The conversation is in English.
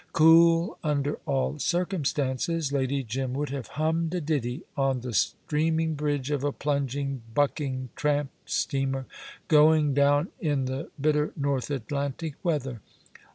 Cool under all circumstances, Lady Jim would have hummed a ditty on the streaming bridge of a plunging, bucking tramp steamer, going down in the bitter North Atlantic weather.